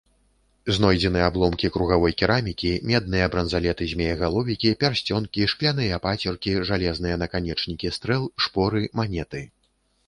Знойдзены абломкі кругавой керамікі, медныя бранзалеты-змеегаловікі, пярсцёнкі, шкляныя пацеркі, жалезныя наканечнікі стрэл, шпоры, манеты.